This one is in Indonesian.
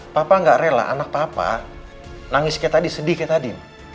papa enggak rela anak papa nangis seperti tadi sedih seperti tadi